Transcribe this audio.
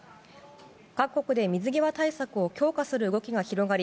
各国で水際対策を強化する動きが広がり